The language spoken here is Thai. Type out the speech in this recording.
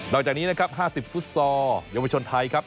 นอกจากนี้นะครับ๕๐ฟุตซอร์ยอมวัชชนไทยครับ